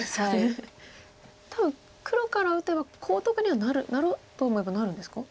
多分黒から打てばコウとかにはなろうと思えばなるんですか？